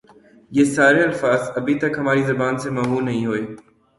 یہ سارے الفاظ ابھی تک ہماری زبان سے محو نہیں ہوئے